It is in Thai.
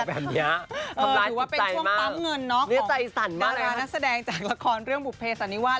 ทำร้ายติดใจมากนี่ใจสั่นมากเลยนะครับหรือว่าเป็นช่วงปั๊มเงินเนอะของน้ารานักแสดงจากละครเรื่องบุภัยสันนิวาด